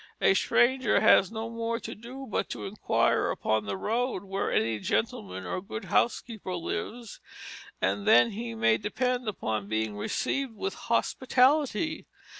A stranger has no more to do but to inquire upon the road where any gentleman or good housekeeper lives, and then he may depend upon being received with hospitality.